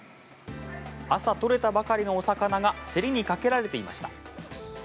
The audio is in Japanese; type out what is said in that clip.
朝取れたばかりのお魚が競りにかけられていました。